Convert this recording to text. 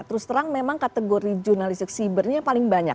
terus terang memang kategori jurnalistik cybernya yang paling banyak